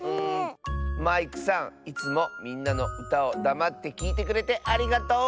マイクさんいつもみんなのうたをだまってきいてくれてありがとう！